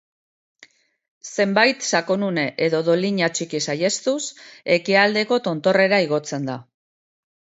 Zenbait sakonune edo dolina txiki saihestuz, ekialdeko tontorrera igotzen da.